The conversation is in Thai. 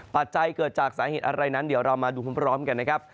ปัจจัยเกิดจากสาเหตุอะไรนั้นเดี๋ยวเรามาดูพร้อมกันนะครับ